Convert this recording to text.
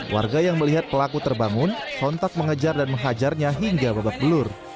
warga yang melihat pelaku terbangun sontak mengejar dan menghajarnya hingga babak belur